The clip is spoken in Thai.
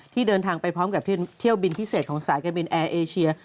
เดินทางไปพร้อมกับเที่ยวบินพิเศษของสายการบินแอร์เอเชีย